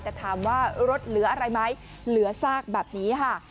แต่ถามว่ารถเหลืออะไรไหมเหลือซากแบบนี้ค่ะ